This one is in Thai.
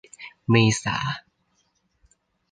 เมษา